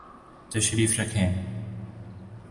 تشریف رکھئے